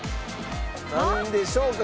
なんでしょうか？